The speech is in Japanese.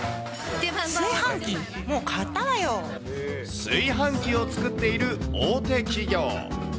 炊飯器、炊飯器を作っている大手企業。